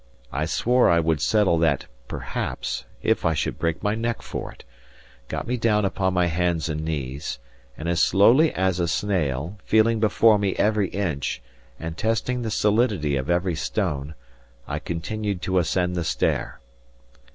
I swore I would settle that "perhaps," if I should break my neck for it; got me down upon my hands and knees; and as slowly as a snail, feeling before me every inch, and testing the solidity of every stone, I continued to ascend the stair.